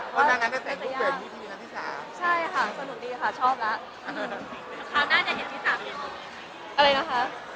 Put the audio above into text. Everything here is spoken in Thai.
เพราะนางานจะแต่ลูกเผื่ออย่างม